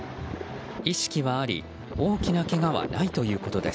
意識はあり大きなけがはないということです。